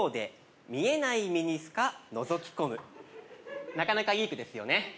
まずはなかなかいい句ですよね